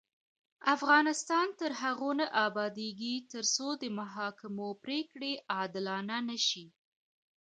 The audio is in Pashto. افغانستان تر هغو نه ابادیږي، ترڅو د محاکمو پریکړې عادلانه نشي.